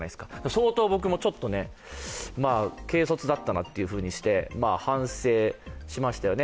相当僕もちょっと、軽率だったなというふうにして反省しましたよね。